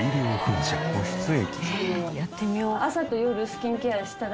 えっやってみよう。